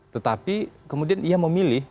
tetapi kemudian ia memilih